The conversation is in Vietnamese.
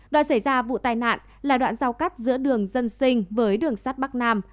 đoạn xảy ra vụ tai nạn là đoạn giao cắt giữa đường dân sinh với đường sắt bắc nam